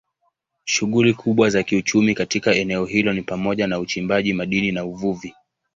Shughuli kubwa za kiuchumi katika eneo hilo ni pamoja na uchimbaji madini na uvuvi.